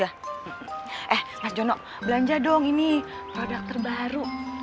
eh mas jono belanja dong ini produk terbaru